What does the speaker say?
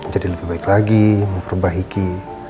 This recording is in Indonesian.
jadi lebih baik lagi memperbaiki